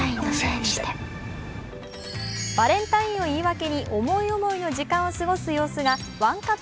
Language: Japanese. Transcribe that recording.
バレンタインを言い訳に思い思いの時間を過ごす様子がワンカット